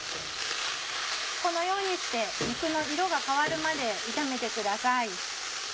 このようにして肉の色が変わるまで炒めてください。